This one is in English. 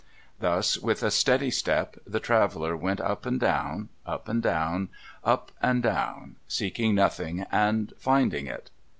Thus, with a steady step, the traveller went up and down, up and down, up and down, seeking nothing and finding it.